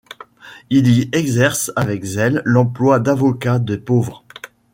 Il y exerce avec zèle l'emploi d'avocat des pauvres.